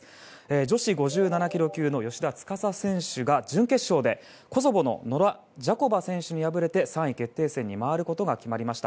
女子５７ｋｇ級の芳田司選手が準決勝でコソボのノラ・ジャコバ選手に敗れて３位決定戦に回ることが決まりました。